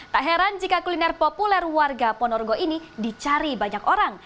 tak heran jika kuliner populer warga ponorogo ini dicari banyak orang